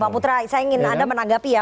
bang putra saya ingin anda menanggapi ya